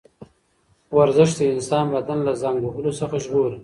ورزش د انسان بدن له زنګ وهلو څخه ژغوري.